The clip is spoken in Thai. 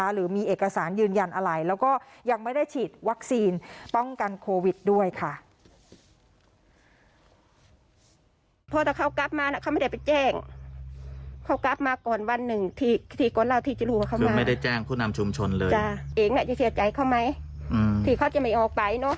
หรือมีเอกสารยืนยันอะไรแล้วก็ยังไม่ได้ฉีดวัคซีนป้องกันโควิดด้วยค่ะ